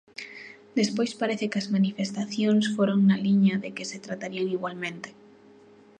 Despois parece que as manifestacións foron na liña de que se tratarían igualmente.